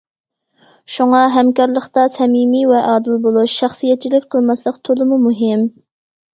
شۇڭا ھەمكارلىقتا سەمىمىي ۋە ئادىل بولۇش، شەخسىيەتچىلىك قىلماسلىق تولىمۇ مۇھىم.